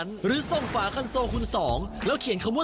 สุดท้ายค่ะสุดท้ายค่ะ